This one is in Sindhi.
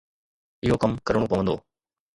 اهو ڪم ڪرڻو پوندو.